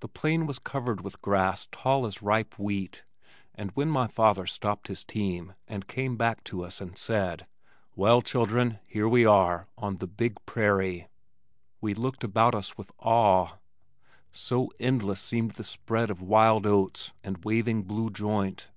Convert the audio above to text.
The plain was covered with grass tall as ripe wheat and when my father stopped his team and came back to us and said, "Well, children, here we are on The Big Prairie," we looked about us with awe, so endless seemed this spread of wild oats and waving blue joint.